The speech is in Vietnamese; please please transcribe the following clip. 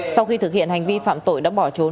sau khi thực hiện hành vi phạm tội đã bỏ trốn